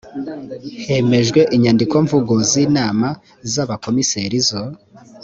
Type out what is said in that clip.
hemejwe inyandikomvugo z inama z abakomiseri zo